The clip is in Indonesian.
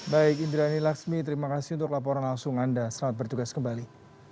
baik indrani laksmi terima kasih untuk laporan langsung anda selamat bertugas kembali